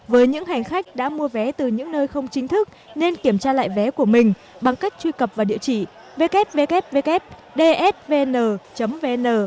với những hành khách đã mua vé từ những nơi không chính thức nên kiểm tra lại vé của mình bằng cách truy cập vào địa chỉ ww dsvn vn